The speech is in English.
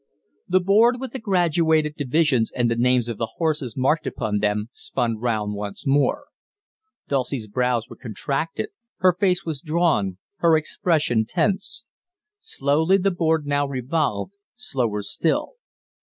The board with the graduated divisions and the names of the horses marked upon them spun round once more. Dulcie's brows were contracted, her face was drawn, her expression tense. Slowly the board now revolved, slower still.